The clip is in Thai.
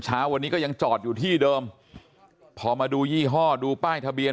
เช้าวันนี้ก็ยังจอดอยู่ที่เดิมพอมาดูยี่ห้อดูป้ายทะเบียน